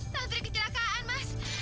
santri kecelakaan mas